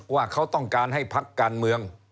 ว่าเขาต้องการให้พักการเมือง